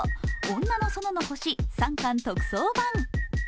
「女の園の星３巻特装版」。